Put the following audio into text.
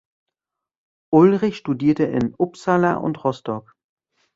Ulrich studierte in Uppsala und Rostock.